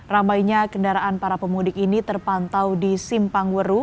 ramainya kendaraan para pemudik ini terpantau di simpang weru